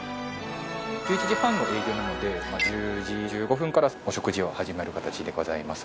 １１時半の営業なので１０時１５分からお食事を始める形でございます。